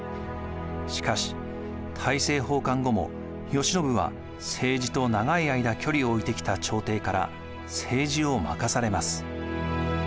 しかし大政奉還後も慶喜は政治と長い間距離を置いてきた朝廷から政治を任されます。